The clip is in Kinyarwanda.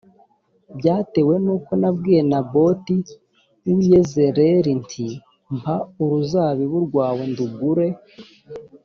byatewe n’uko nabwiye naboti w’i yezereli nti mpa uruzabibu rwawe ndugure